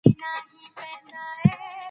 هغه سړی تر پېښي مخکي ډېر آرامه معلومېدی.